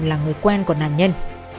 là người quen của nạn nhân